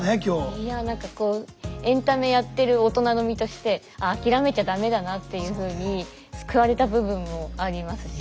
いや何かこうエンタメやってる大人の身としてああ諦めちゃ駄目だなっていうふうに救われた部分もありますし。